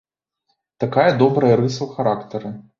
Такая добрая рыса ў характары.